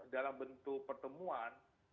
dalam bentuk pertemuan